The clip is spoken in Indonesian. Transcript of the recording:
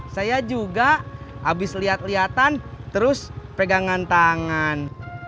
saya juga abis liat liatan terus pegangan tangan